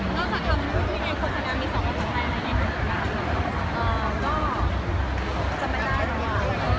ก็สาขำผู้ที่ไงคนทางนี้มีสองคนตกการไหม